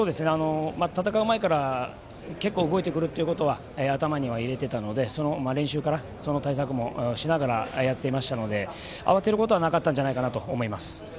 戦う前から結構、動いてくるということは頭には入れてたので練習からその対策もしていたので慌てることはなかったんじゃないかなと思います。